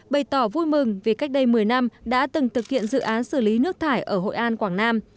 bày tỏ vui mừng vì cách đây một mươi năm đã từng thực hiện dự án xử lý nước thải ở hội an quảng nam